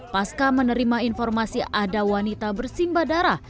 pasca menerima informasi ada wanita bersimba darah